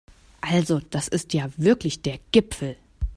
Also das ist ja wirklich der Gipfel!